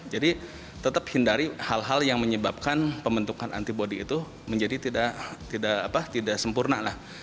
jadi tetap hindari hal hal yang menyebabkan pembentukan antibody itu menjadi tidak sempurna lah